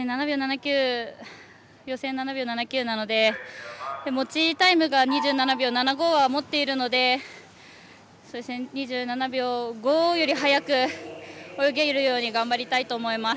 予選が７秒７９なので持ちタイムが２７秒７５は持っているので２７秒５より速く泳げるように頑張りたいと思います。